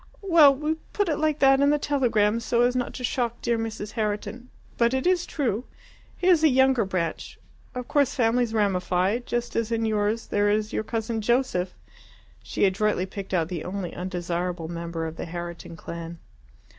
"Well, we put it like that in the telegram so as not to shock dear Mrs. Herriton. But it is true. He is a younger branch. Of course families ramify just as in yours there is your cousin Joseph." She adroitly picked out the only undesirable member of the Herriton clan.